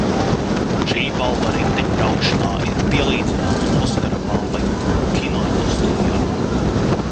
"Šī balva riteņbraukšanā ir pielīdzināma "Oskara" balvai kinoindustrijā."